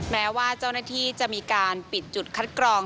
แม้ว่าเจ้าหน้าที่จะมีการปิดจุดคัดกรอง